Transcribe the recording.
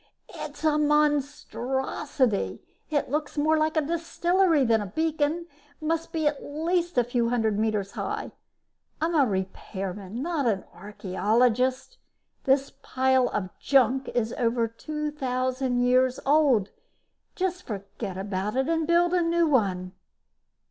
"It's a monstrosity! It looks more like a distillery than a beacon must be at least a few hundred meters high. I'm a repairman, not an archeologist. This pile of junk is over 2000 years old. Just forget about it and build a new one."